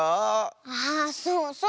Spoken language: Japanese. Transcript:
あそうそう。